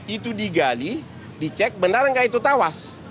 itu digali dicek benar nggak itu tawas